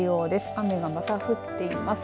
雨がまた降っています。